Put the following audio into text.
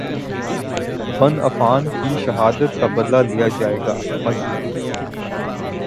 بن Affan کی شہادت کا بدلہ لیا جائے گا مسجد